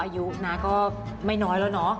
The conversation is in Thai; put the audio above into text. อายุนะก็ไม่น้อยแล้วเนาะ